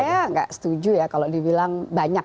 saya nggak setuju ya kalau dibilang banyak